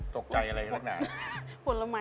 ตกใจอะไรอยู่ด้านหน้า